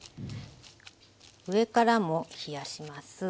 上からも冷やします。